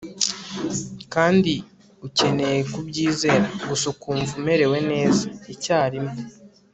kandi ukeneye kubyizera gusa ukumva umerewe neza icyarimwe